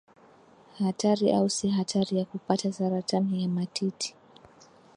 hatari au si hatari ya kupata saratani ya matiti